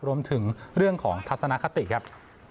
รวมถึงเรื่องของทัศนคติครับ